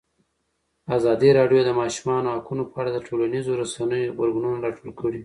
ازادي راډیو د د ماشومانو حقونه په اړه د ټولنیزو رسنیو غبرګونونه راټول کړي.